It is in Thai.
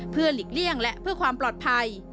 เพื่อหลีกเลี่ยงและเพื่อความปลอดภัย